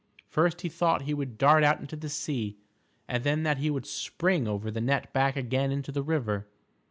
First he thought he would dart out into the sea, and then that he would spring over the net back again into the river.